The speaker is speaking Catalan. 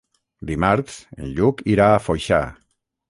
Dimarts en Lluc irà a Foixà.